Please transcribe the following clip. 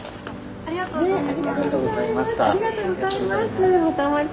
ありがとうございます。